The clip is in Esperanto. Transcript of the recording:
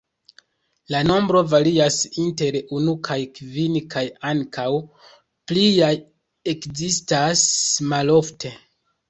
La nombro varias inter unu kaj kvin kaj ankaŭ pliaj ekzistas malofte.